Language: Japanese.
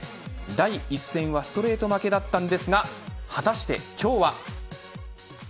第１戦はストレート負けだったんですが果たして今日は。